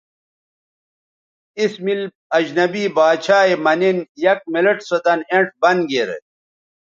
اس مِل اجنبی باڇھا یے مہ نِن یک منٹ سو دَن اینڇ بند گیرے